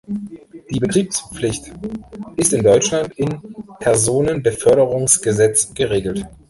Die Betriebspflicht ist in Deutschland in Personenbeförderungsgesetz geregelt.